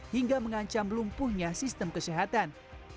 hingga mengancam lumpuhnya sistem kesehatan